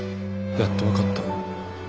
やっと分かった。